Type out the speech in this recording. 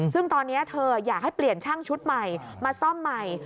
ซึ่งตอนนี้เธออยากให้เปลี่ยนช่างชุดใหม่มาซ่อมใหม่